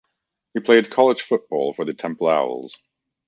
He played college football for the Temple Owls.